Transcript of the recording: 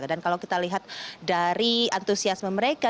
dan kalau kita lihat dari antusiasme mereka